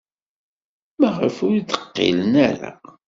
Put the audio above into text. Maɣef ur d-qqilen ara?